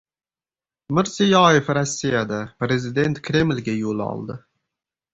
Mirziyoyev Rossiyada. Prezident Kremlga yo‘l oldi